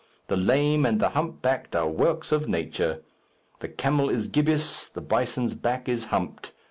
The lame and the humpbacked are works of nature. The camel is gibbous. The bison's back is humped.